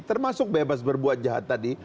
termasuk bebas berbuat jahat tadi